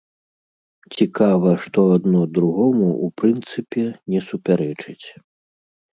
Цікава, што адно другому, у прынцыпе, не супярэчыць.